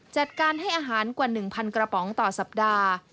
จัดการให้อาหารกว่า๑๐๐กระป๋องต่อสัปดาห์